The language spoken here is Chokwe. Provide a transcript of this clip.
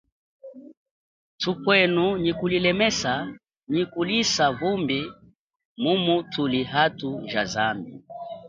Thupwenu nyi kulilemesa nyi kulisa vumbi mumu thuli athu ja zambi.